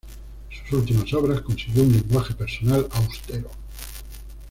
En sus últimas obras consiguió un lenguaje personal austero.